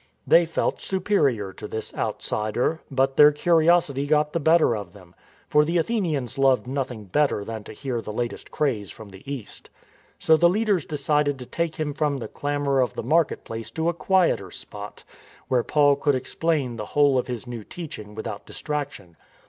They felt superior to this " outsider," but their curiosity got the better of them — for the Athenians loved nothing better than to hear the latest craze from the East. So the leaders decided to take him from the clamour of the market place to a quieter spot, where Paul could explain the whole of his new teach ing without distraction.